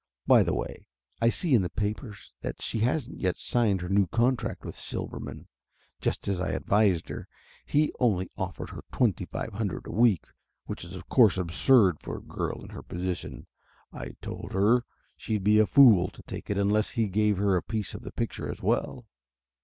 By the way, I see in the papers that she hasn't yet signed her new contract with Silverman, just as I advised her. He only offered her twenty five hundred a week, which is of course absurd for a girl in her position. I told her she'd be a fool to take it unless he gave her a piece of the picture as well."